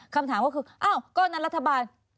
คำถามก็คืออ้าวก็นั่นรัฐบาล